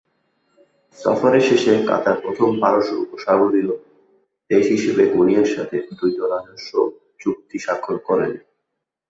সফরের শেষে কাতার প্রথম পারস্য উপসাগরীয় দেশ হিসেবে কেনিয়ার সাথে দ্বৈত-রাজস্ব চুক্তি স্বাক্ষর করে।